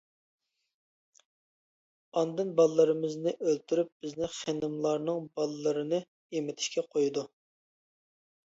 ئاندىن بالىلىرىمىزنى ئۆلتۈرۈپ بىزنى خېنىملارنىڭ بالىلىرىنى ئېمىتىشكە قويىدۇ.